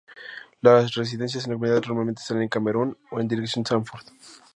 Las residencias en la comunidad normalmente están en Cameron o en dirección Sanford.